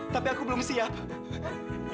tapi aku belum siap